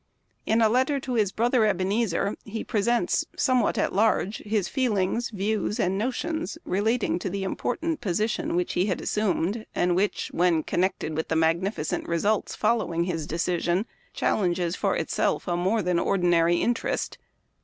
In a letter to his brother Ebenezer, Memoir of Washington Irving. 91 he presents, somewhat at large, his feelings, views, and notions relating to the important position which he had assumed, and which, when connected with the magnificent results following his decision, challenges for itself a more than ordinary interest.